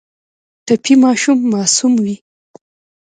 ټپي ماشومان معصوم وي.